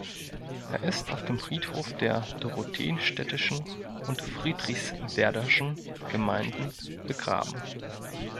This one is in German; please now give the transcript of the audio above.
Er ist auf dem Friedhof der Dorotheenstädtischen und Friedrichswerderschen Gemeinden begraben.